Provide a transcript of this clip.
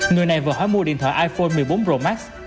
người này vừa hỏi mua điện thoại iphone một mươi bốn ro mắt